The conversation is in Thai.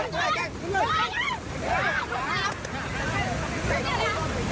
สวัสดีครับ